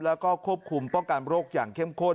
แล้วก็ควบคุมป้องกันโรคอย่างเข้มข้น